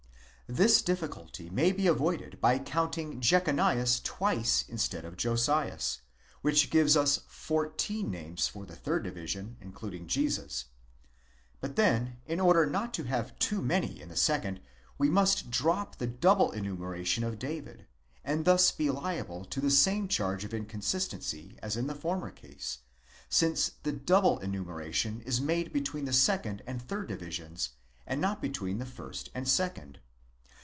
This difficulty may be avoided by counting Jechonias. twice instead of Josias, which gives us fourteen names for the third division, including Jesus ; but then, in order not to have too many in the second, we must drop the double enumeration of David, and thus be liable to the same charge of inconsistency as in the former case, since the double enumeration: is made between the second and third divisions, and not between the first and second.